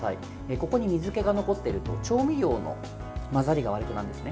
ここに水けが残っていると調味料の混ざりが悪くなるんですね。